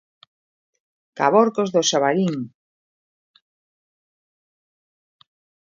Caborcos do xabarín!